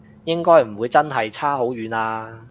應該唔會真係差好遠啊？